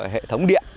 hệ thống điện